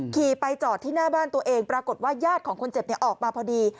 ขี่ไปจอดที่หน้าบ้านตัวเองปรากฏว่าญาติของคนเจ็บออกมาพอดี